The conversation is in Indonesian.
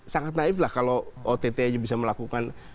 sangat naif lah kalau ott aja bisa melakukan